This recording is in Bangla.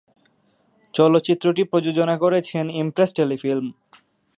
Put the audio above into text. চলচ্চিত্রটি প্রযোজনা করেছে ইমপ্রেস টেলিফিল্ম।